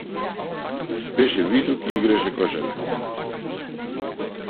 Беше висок и играше кошарка.